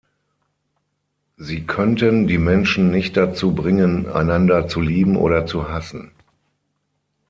Sie könnten die Menschen nicht dazu bringen, einander zu lieben oder zu hassen.